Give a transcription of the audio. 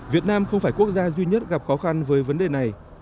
việt nam không phải quốc gia duy nhất gặp khó khăn với vấn đề này